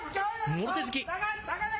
もろ手突き。